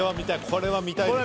これは見たいですよ